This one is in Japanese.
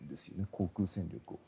航空戦力を。